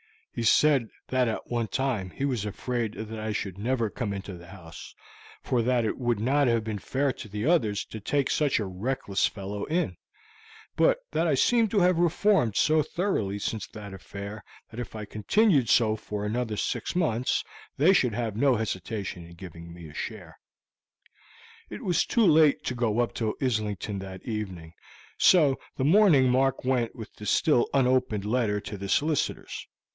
He said that at one time he was afraid that I should never come into the house, for that it would not have been fair to the others to take such a reckless fellow in, but that I seemed to have reformed so thoroughly since that affair that if I continued so for another six months they should have no hesitation in giving me a share." It was too late to go up to Islington that evening. In the morning Mark went with the still unopened letter to the solicitor's.